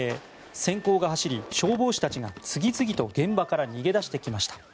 閃光が走り、消防士たちが次々と現場から逃げ出してきました。